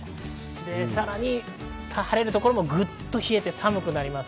さらに晴れる所もグッと冷えて、寒くなります。